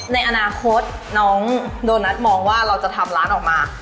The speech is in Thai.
ในอนาคตน้องโดนัทมองว่าเราจะทำร้านออกมา